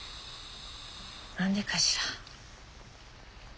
何でかしら。